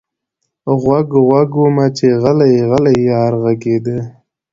غوږ، غوږ ومه چې غلـــــــی، غلـــی یار غږېده